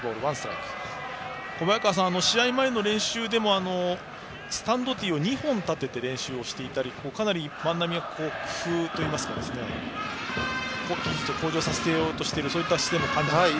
小早川さん、試合前の練習でもスタンドティーを２本立てて練習していたりかなり万波は工夫して技術を向上させようというそういった姿勢も感じますね。